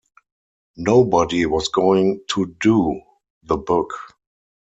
Nobody was going to "do" the book.